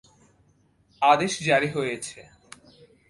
আদেশ জারি হয়েছে।